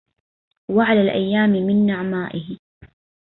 وعلى الأيام من نعمائه